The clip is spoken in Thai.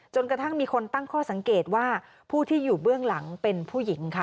กระทั่งมีคนตั้งข้อสังเกตว่าผู้ที่อยู่เบื้องหลังเป็นผู้หญิงค่ะ